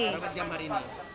berapa jam hari ini